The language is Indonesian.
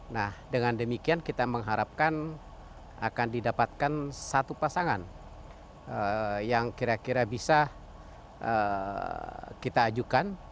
nah dengan demikian kita mengharapkan akan didapatkan satu pasangan yang kira kira bisa kita ajukan